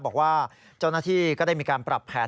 บอกว่าเจ้าหน้าที่ก็ได้มีการปรับแผน